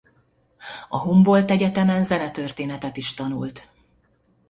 A Humboldt Egyetemen zenetörténetet is tanult.